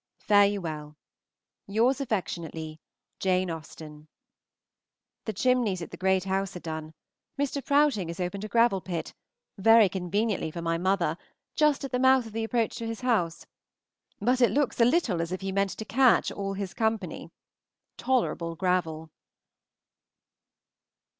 Fare you well. Yours affectionately, JANE AUSTEN. The chimneys at the Great House are done. Mr. Prowting has opened a gravel pit, very conveniently for my mother, just at the mouth of the approach to his house; but it looks a little as if he meant to catch all his company. Tolerable gravel.